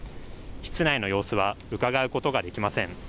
室内の様子は伺うことができません。